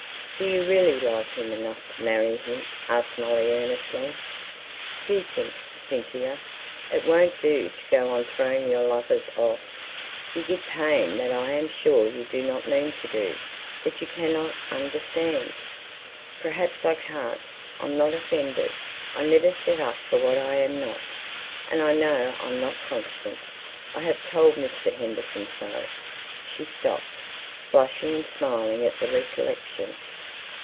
"Do you really like him enough to marry him?" asked Molly earnestly. "Do think, Cynthia. It won't do to go on throwing your lovers off; you give pain that I'm sure you do not mean to do, that you cannot understand." "Perhaps I can't. I'm not offended. I never set up for what I am not, and I know I'm not constant. I've told Mr. Henderson so " She stopped, blushing and smiling at the recollection.